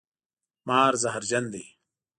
مار زهرجن دی